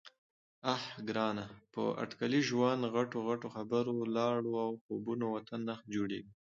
_اه ګرانه! په اټکلي ژوند، غټو غټو خبرو، لاړو او خوبونو وطن نه جوړېږي.